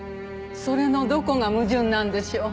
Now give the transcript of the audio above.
それのどこが矛盾なんでしょう？